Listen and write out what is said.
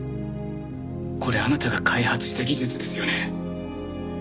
これあなたが開発した技術ですよね？